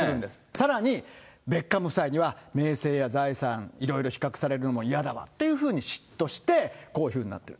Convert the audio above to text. さらに、ベッカム夫妻には、名声や財産、いろいろ比較されるのも嫌だわというふうに嫉妬して、こういうふうになっている。